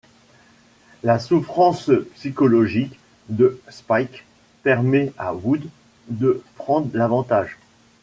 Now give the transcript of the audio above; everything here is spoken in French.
La souffrance psychologique de Spike permet à Wood de prendre l'avantage.